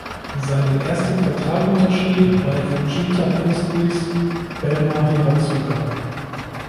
Seinen ersten Vertrag unterschrieb bei Fujita Industries (Bellmare Hiratsuka).